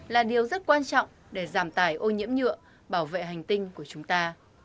là điều rất quan trọng để giảm tài ô nhiễm nhựa bảo vệ hành tinh của chúng ta